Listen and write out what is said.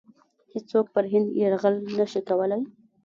هیڅوک پر هند یرغل نه شي کولای.